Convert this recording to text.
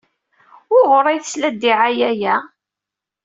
Wuɣur ay tesla ddiɛaya-a?